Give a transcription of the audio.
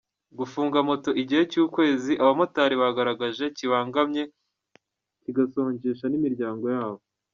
Gufunga moto igihe cy’ukwezi abamotari bagaragaje kibangamye kigasonjesha n’imiryango yabo.